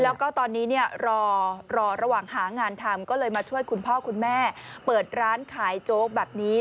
แล้วก็ตอนนี้เนี่ยรอระหว่างหางานทำก็เลยมาช่วยคุณพ่อคุณแม่เปิดร้านขายโจ๊กแบบนี้